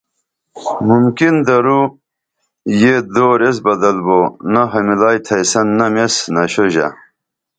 ممکن درو یہ دور ایس بدل بو نخہ ملائی تُھیسن نم ایس نشوژہ